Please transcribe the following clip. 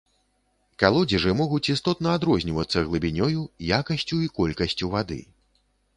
Калодзежы могуць істотна адрознівацца глыбінёю, якасцю і колькасцю вады.